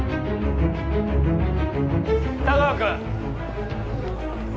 田川君！